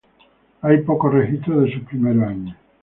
Hay pocos registros de sus primeros años.